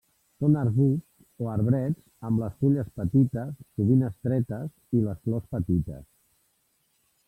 Són arbusts o arbrets amb les fulles petites sovint estretes i les flors petites.